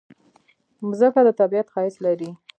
مځکه د طبیعت ښایست لري.